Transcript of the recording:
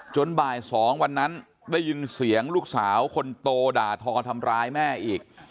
บ่าย๒วันนั้นได้ยินเสียงลูกสาวคนโตด่าทอทำร้ายแม่อีก